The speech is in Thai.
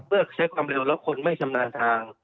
เพื่อใช้ความเร็วแล้วคนไม่ชำนาญทาง